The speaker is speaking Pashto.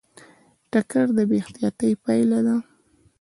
ټکر د بې احتیاطۍ پایله ده.